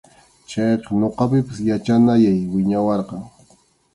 Chayqa ñuqapipas yachanayay wiñawarqan.